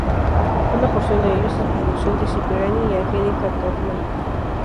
Una porción de ellos es producción de Cipriani y Angelica Kauffman.